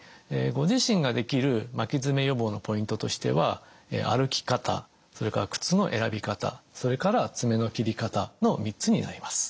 ご自身ができる巻き爪予防のポイントとしては歩き方それから靴の選び方それから爪の切り方の３つになります。